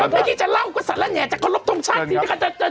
ไม่ได้ที่จะเล่ากษัตริย์แล้วไงจะเคารพตรงชาติ